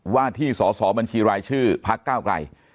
ว่าที่สอสอบัญชีรายชื่อพักก้าวไกล